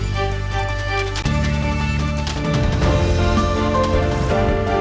terima kasih pak